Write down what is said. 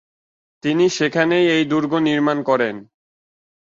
তিনি সেখানেই এই দূর্গ নির্মাণ করেন।